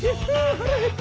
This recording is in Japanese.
腹減った！